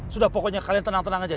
sudah pokoknya kalian tenang tenang aja